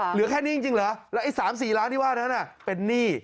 เหลือแค่นี้จริงเหรอแล้วไอ้๓๔ล้านที่ว่านั้นเป็นหนี้